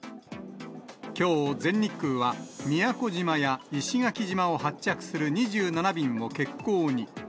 きょう、全日空は宮古島や石垣島を発着する２７便を欠航に。